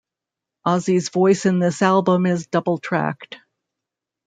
Ozzy's voice in this album is doubled tracked.